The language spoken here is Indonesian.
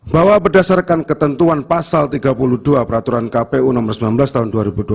bahwa berdasarkan ketentuan pasal tiga puluh dua peraturan kpu nomor sembilan belas tahun dua ribu dua puluh